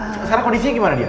sekarang kondisinya gimana dia